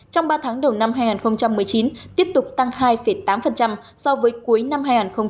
trong ba tháng đầu năm hai nghìn một mươi chín tiếp tục tăng hai tám so với cuối năm hai nghìn một mươi tám